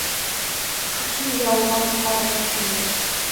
Ҡышын яуған ҡарҙар кеүек